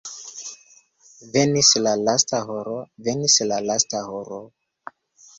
Venis la lasta horo, venis la lasta horo!